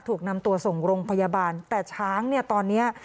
ถูกนำตัวส่งโรงพยาบาลแต่ช้างตอนนี้